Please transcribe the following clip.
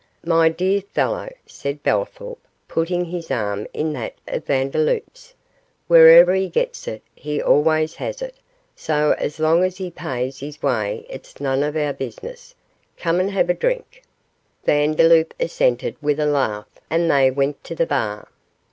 'My dear fellow,' said Bellthorp, putting his arm in that of Vandeloup's, 'wherever he gets it, he always has it, so as long as he pays his way it's none of our business; come and have a drink.' Vandeloup assented with a laugh, and they went to the bar.